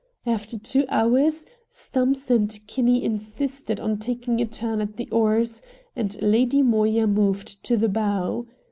After two hours Stumps and Kinney insisted on taking a turn at the oars, and Lady Moya moved to the bow.